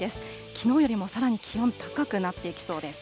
きのうよりもさらに気温、高くなっていきそうです。